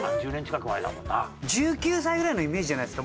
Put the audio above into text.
１９歳ぐらいのイメージじゃないですか？